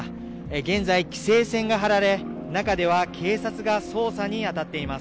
現在、規制線が張られ、中では警察が捜査に当たっています。